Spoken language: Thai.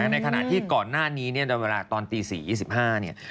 ในขณะที่ก่อนหน้านี้เนี่ยในเวลาตอนตี๔๒๕เนี่ย